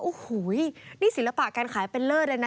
โอ้โหนี่ศิลปะการขายเป็นเลิศเลยนะ